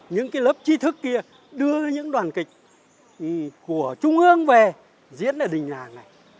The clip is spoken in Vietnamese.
những lớp chi thức kia đưa những đoàn kịch của trung ương về diễn ở đình làng này